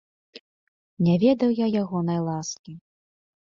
Не ведаў я ягонай ласкі.